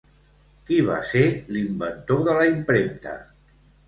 Qui va ser l'inventor de la impremta?